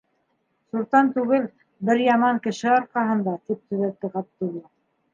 - Суртан түгел, бер яман кеше арҡаһында, - тип төҙәтте Ғабдулла.